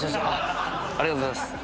ありがとうございます。